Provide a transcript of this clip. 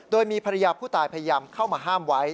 โดยมีภรรยาผู้ตายพยายามเข้ามาห้ามไว้